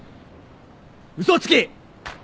嘘つき！